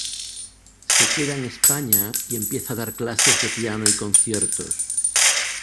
Se queda en España y empieza a dar clases de piano y conciertos.